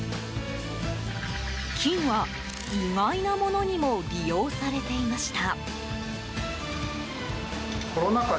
金は意外なものにも利用されていました。